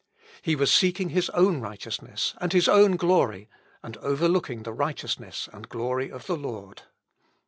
He was seeking his own righteousness and his own glory, and overlooking the righteousness and glory of the Lord.